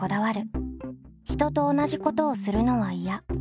人と同じことをするのはいや。